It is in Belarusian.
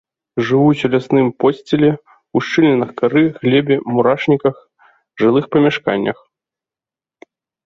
Жывуць у лясным подсціле, у шчылінах кары, глебе, мурашніках, жылых памяшканнях.